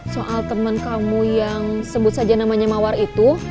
soal teman kamu yang sebut saja namanya mawar itu